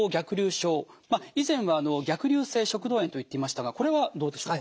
症以前は逆流性食道炎と言っていましたがこれはどうでしょうか？